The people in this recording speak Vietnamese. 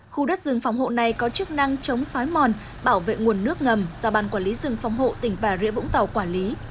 khu đất rừng phòng hộ này có chức năng chống xói mòn bảo vệ nguồn nước ngầm do ban quản lý rừng phòng hộ tỉnh bà rịa vũng tàu quản lý